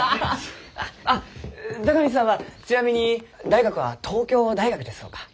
あっ孝光さんはちなみに大学は東京大学ですろうか？